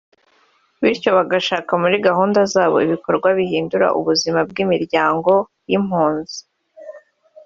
bityo bagashaka muri gahunda zabo ibikorwa bihindura ubuzima bw’imiryango y’impunzi